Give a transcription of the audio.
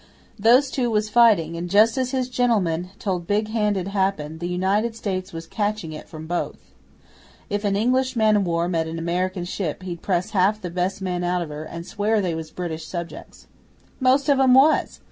Those two was fighting, and just as his gentlemen told Big Hand 'ud happen the United States was catching it from both. If an English man o' war met an American ship he'd press half the best men out of her, and swear they was British subjects. Most of 'em was!